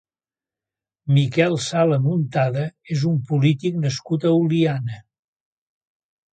Miquel Sala Muntada és un polític nascut a Oliana.